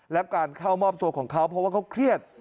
และการเข้ามอบตัวของเขาเพราะว่าเขาเครียด